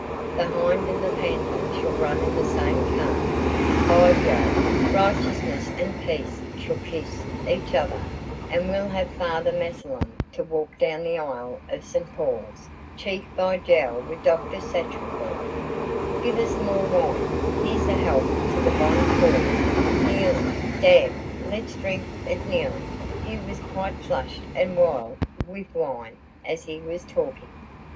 The Hind and the Panther shall run in the same car, by Jove. Righteousness and peace shall kiss each other: and we'll have Father Massillon to walk down the aisle of St. Paul's, cheek by jowl with Dr. Sacheverel. Give us more wine; here's a health to the bonne cause, kneeling damme, let's drink it kneeling." He was quite flushed and wild with wine as he was talking.